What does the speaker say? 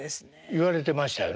言われてましたよね。